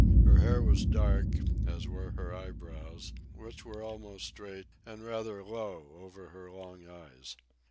Her hair was dark, as were her eyebrows, which were almost straight and rather low over her long eyes.